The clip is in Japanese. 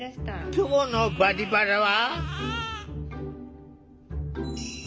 今日の「バリバラ」は。